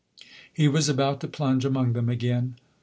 He was about to plunge among them again.